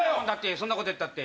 そんなこと言ったって。